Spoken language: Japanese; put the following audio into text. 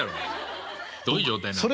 どういう状態なんだよ。